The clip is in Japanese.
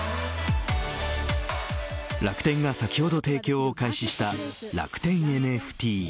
楽天が先ほど提供を開始したＲａｋｕｔｅｎＮＦＴ。